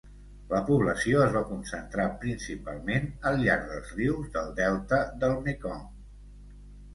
La població es va concentrar principalment al llarg dels rius del delta del Mekong.